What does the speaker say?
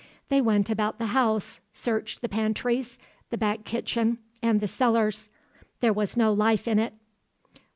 They went about the house, searched the pantries, the back kitchen and the cellars; there was no life in it.